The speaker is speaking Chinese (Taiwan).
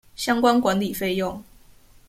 相關管理費用